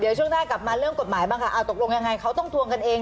เดี๋ยวช่วงหน้ากลับมาเรื่องกฎหมายบ้างค่ะตกลงยังไงเขาต้องทวงกันเอง